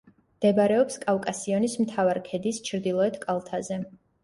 მდებარეობს კავკასიონის მთავარ ქედის ჩრდილოეთ კალთაზე.